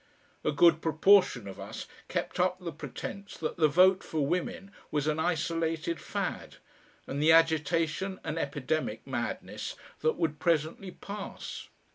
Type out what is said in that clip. A good proportion of us kept up the pretence that the Vote for Women was an isolated fad, and the agitation an epidemic madness that would presently pass.